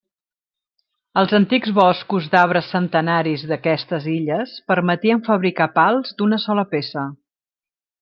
Els antics boscos d'arbres centenaris d'aquestes illes permetien fabricar pals d'una sola peça.